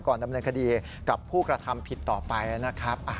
ดำเนินคดีกับผู้กระทำผิดต่อไปนะครับ